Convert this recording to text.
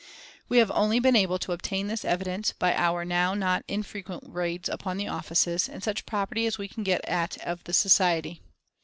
"We have only been able to obtain this evidence by our now not infrequent raids upon the offices, and such property as we can get at of the society....